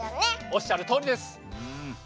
おっしゃるとおりです。